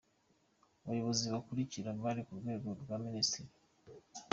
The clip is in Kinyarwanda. Abayobozi bakurikira bari ku rwego rwa Minisitiri :.